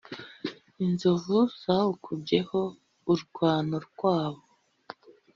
Inzovu zawukubyeho urwano, rwabo